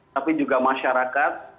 tapi juga masyarakat